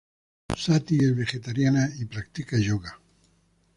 Sati es vegetariana y practica yoga.